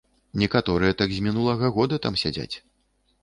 Некаторыя так з мінулага года там сядзяць.